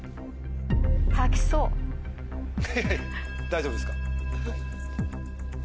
大丈夫ですか？